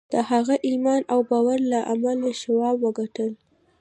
د هغه ایمان او باور له امله شواب وګټل